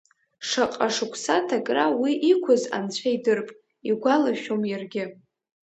Шаҟа шықәса ҭакра уи иқәыз, анцәа идырп, игәалашәом иаргьы.